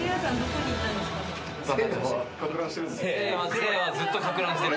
・せいやはずっとかく乱してる。